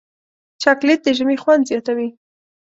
چاکلېټ د ژمي خوند زیاتوي.